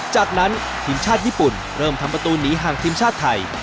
จากนั้นทีมชาติญี่ปุ่นเริ่มทำประตูหนีห่างทีมชาติไทย